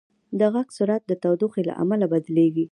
د غږ سرعت د تودوخې له امله بدلېږي.